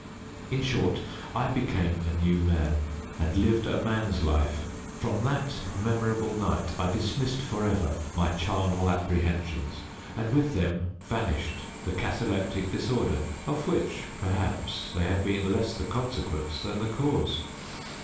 In short, I became a new man, and lived a man's life. From that memorable night, I dismissed forever my charnel apprehensions, and with them vanished the cataleptic disorder, of which, perhaps, they had been less the consequence than the cause.